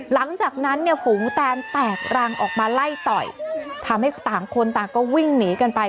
หลังจากนั้นเนี่ยฝูงแตนแตกรังออกมาไล่ต่อยทำให้ต่างคนต่างก็วิ่งหนีกันไป